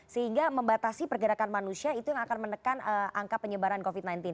sehingga membatasi pergerakan manusia itu yang akan menekan angka penyebaran covid sembilan belas